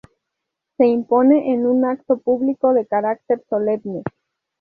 Se impone en un acto público de carácter solemne.